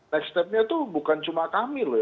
next step nya tuh bukan cuma kami loh